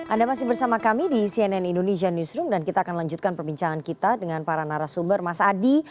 anda masih bersama kami di cnn indonesia newsroom dan kita akan lanjutkan perbincangan kita dengan para narasumber mas adi